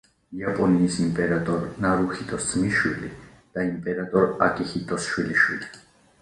იაპონიის იმპერატორ ნარუჰიტოს ძმისშვილი და იმპერატორ აკიჰიტოს შვილიშვილი.